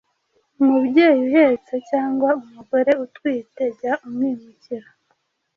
umubyeyi uhetse cyangwa umugore utwite, jya umwimukira.